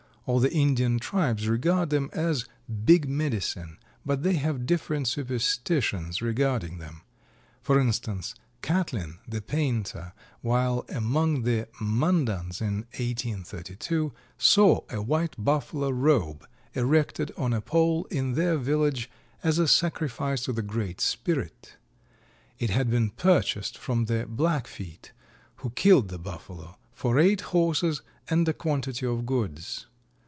All the Indian tribes regard them as 'big medicine,' but they have different superstitions regarding them. For instance Catlin, the painter, while among the Mandans in 1832, saw a white buffalo robe erected on a pole in their village as a sacrifice to the Great Spirit. It had been purchased from the Blackfeet, who killed the Buffalo, for eight horses and a quantity of goods.